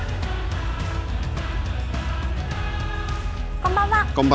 こんばんは。